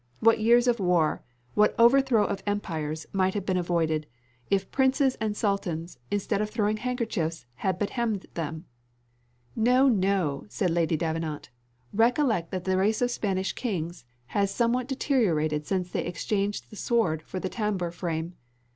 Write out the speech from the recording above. What years of war, what overthrow of empires, might have been avoided, if princes and sultans, instead of throwing handkerchiefs, had but hemmed them!" "No, no," said Lady Davenant, "recollect that the race of Spanish kings has somewhat deteriorated since they exchanged the sword for the tambour frame.